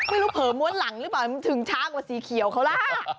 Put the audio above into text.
ไม่รู้เผลอมวดหลังหรือเปล่าถึงช้ากว่าสีเขียวเขาล่ะ